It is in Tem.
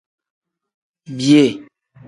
Biyee.